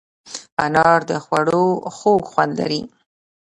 انار د خوړو خوږ خوند لري.